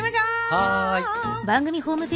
はい！